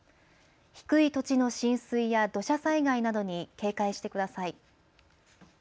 低い土地の浸水や土砂災害などに警戒してください。